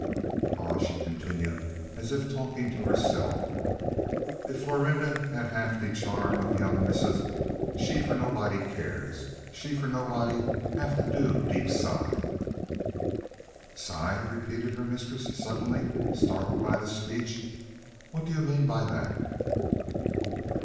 "Ah!" she continued, as if talking to herself; "if Florinda had half de charm ob young missa, she for nobody care she for nobody heave do deep sigh!" "Sigh!" repeated her mistress, suddenly startled by the speech. "What do you mean by that?"